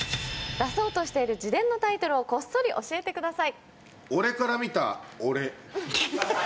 出そうとしている自伝のタイトルをこっそり教えてください。